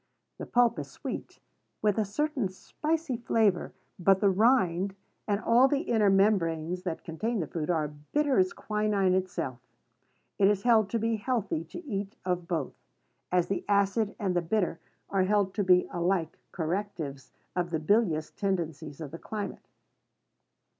The pulp is sweet, with a certain spicy flavor; but the rind, and all the inner membranes that contain the fruit, are bitter as quinine itself. It is held to be healthy to eat of both, as the acid and the bitter are held to be alike correctives of the bilious tendencies of the climate.